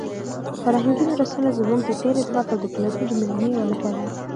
فرهنګي میراثونه زموږ د تېر عظمت او د پلرونو د مېړانې یوه نښه ده.